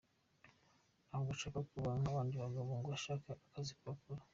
Ntabwo ashaka kuba nk’abandi bagabo ngo ashake akazi akore.